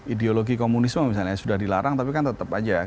ideologi komunisme misalnya sudah dilarang tapi kan tetap aja